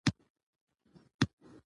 انار د افغانانو د ژوند طرز اغېزمنوي.